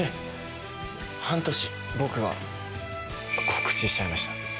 僕が告知しちゃいました。